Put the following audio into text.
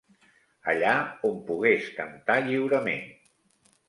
Allà on pogués cantar lliurement